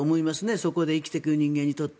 そこで生きていく人間にとって。